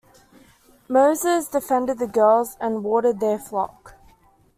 Moses defended the girls and watered their flock.